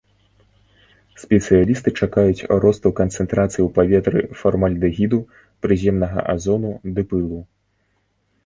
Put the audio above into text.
Спецыялісты чакаюць росту канцэнтрацыі ў паветры фармальдэгіду, прыземнага азону ды пылу.